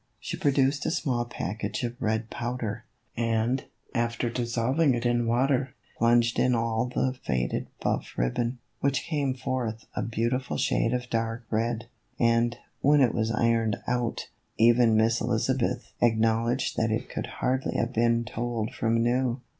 She produced a small package of red powder, 124 THE EVOLUTION OF A BONNET. and, after dissolving it in water, plunged in all the faded buff ribbon, which came forth a beautiful shade of dark red ; and, when it was ironed out, even Miss Elizabeth acknowledged that it could hardly have been told from new.